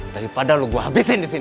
daripada lu gue habisin disini